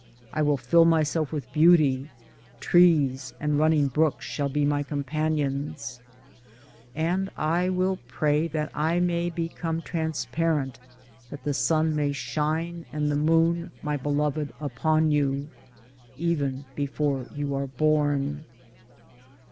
I will fill myself with beauty : trees and running brooks shall be my companions ; And I will pray that I may become transparent — that the sun may shine and the moon, my beloved, upon you, Even before you are born.